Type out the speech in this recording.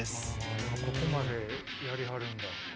ここまでやりはるんだ。